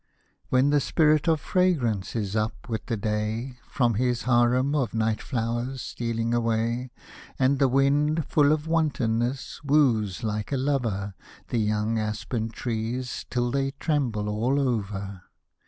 When the Spirit of Fragrance is up with the day, From his Harem of night flowers stealing away ; And the wind, full of wantonness, woos like a lover The young aspen trees, till they tremble all over.